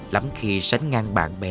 lắm khi sánh ngang bạn bè người thân